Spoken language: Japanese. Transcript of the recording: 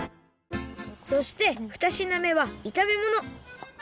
そしてふたしなめはいためもの。